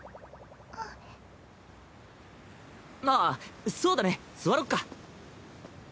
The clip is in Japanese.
あっそうだね座ろっか。